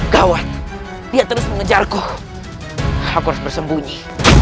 kawan dia terus mengejarku aku harus bersembunyi